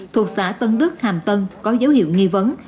thuộc xã tân đức hàm tân có dấu hiệu nghi vấn